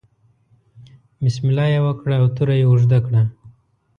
بسم الله یې وکړه او توره یې اوږده کړه.